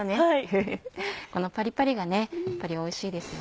このパリパリがやっぱりおいしいですよね。